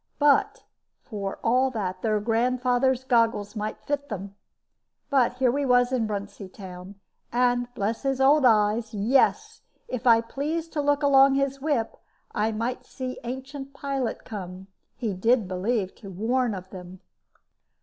But, for all that, their grandfathers' goggles might fit them. But here we was in Bruntsea town, and, bless his old eyes yes! If I pleased to look along his whip, I might see ancient pilot come, he did believe, to warn of them!